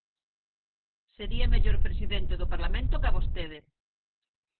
Sería mellor presidente do Parlamento ca vostede.